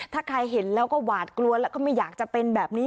ถ้าใครเห็นแล้วก็หวาดกลัวแล้วก็ไม่อยากจะเป็นแบบนี้